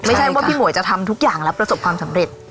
ไม่ใช่ว่าพี่หมวยจะทำทุกอย่างแล้วประสบความสำเร็จ